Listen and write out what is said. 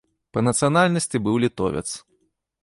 Па нацыянальнасці быў літовец.